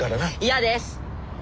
嫌です！